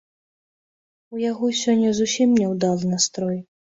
У яго сёння зусім няўдалы настрой.